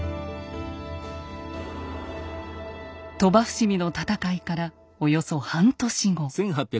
鳥羽伏見の戦いからおよそ半年後。